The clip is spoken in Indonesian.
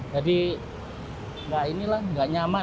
jadi enggak ini lah enggak nyaman